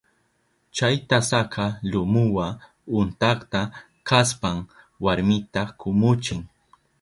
Chay tasaka lumuwa untakta kashpan warmita kumuchin.